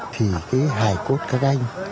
thì hải cốt các anh